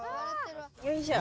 よいしょ。